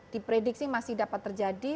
diprediksi masih dapat terjadi